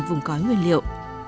vùng cói nguyên liệu